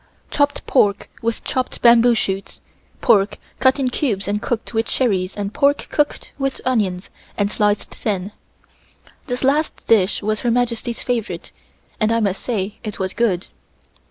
Chopped pork with chopped bamboo shoots, pork cut in cubes and cooked with cherries and pork cooked with onions and sliced thin. This last dish was Her Majesty's favorite and I must say it was good.